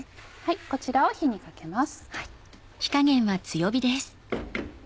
こちらを火にかけます。